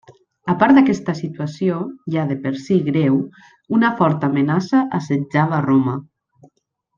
A part d'aquesta situació, ja de per si greu, una forta amenaça assetjava Roma.